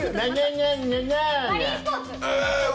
マリンスポーツ？